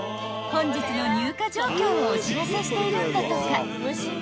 ［本日の入荷状況をお知らせしているんだとか］